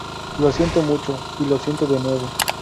Lo siento mucho y lo siento de nuevo.